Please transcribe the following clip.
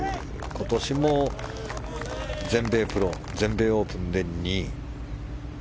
今年も全米プロ、全米オープンで２位。